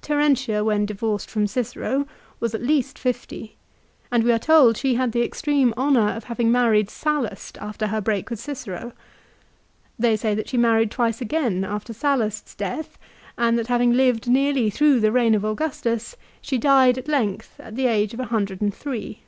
Terentia when divorced from Cicero was at least fifty, and we are told she had the extreme honour of having married Sallust after her break with Cicero. They say that she married twice again after Sallust's death, and that having lived nearly through the reign of Augustus she died at length at the age of a hundred and three.